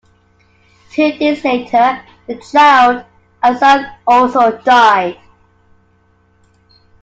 Two days later the child, a son, also died.